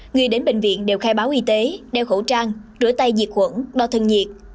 người đến bệnh viện đều khai báo y tế đeo khẩu trang rửa tay diệt khuẩn đo thân nhiệt